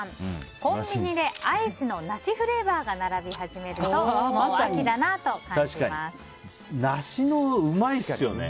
コンビニでアイスの梨フレーバーが並び始めると梨のうまいっすよね。